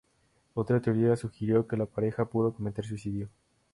Otra teoría sugirió que la pareja pudo cometer suicidio.